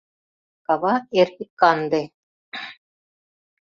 — Кава эре канде.